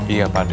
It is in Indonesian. iya pak d